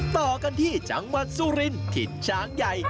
ต่อกันที่จังหวัดสุรินถิ่นช้างใหญ่